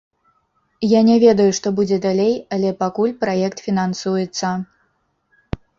Я не ведаю, што будзе далей, але пакуль праект фінансуецца.